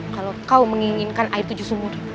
kalau kau menginginkan air tujuh sumur